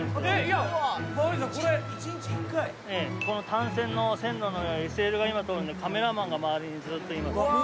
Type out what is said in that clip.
単線の線路の上ＳＬが今通るんでカメラマンが周りにずっといます。